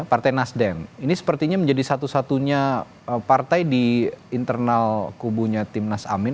partai nasdem ini sepertinya menjadi satu satunya partai di internal kubunya timnas amin